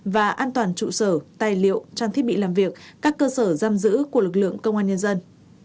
và an toàn trụ sở tài liệu trang thiết bị làm việc các cơ sở giam giữ của lực lượng công an nhân dân